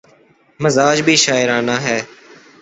مزاج بھی شاعرانہ ہے۔